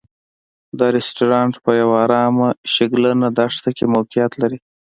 دا رسټورانټ په یوه ارامه شګلنه دښته کې موقعیت لري.